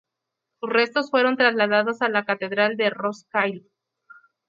Sus restos fueron trasladados a la Catedral de Roskilde.